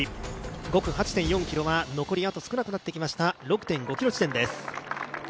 ５区８．４ｋｍは残りあと少なくなってきました６．５ｋｍ地点です。